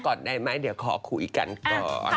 ก่อนได้ไหมเดี๋ยวขอคุยกันก่อน